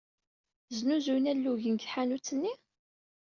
Snuzuyen alugen deg tḥanut-nni?